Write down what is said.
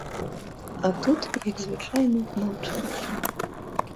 А тут, як звычайна маўчаць.